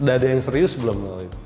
ada yang serius belum